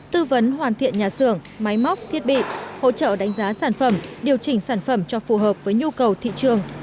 tư vấn hoàn thiện nhà xưởng máy móc thiết bị hỗ trợ đánh giá sản phẩm điều chỉnh sản phẩm cho phù hợp với nhu cầu thị trường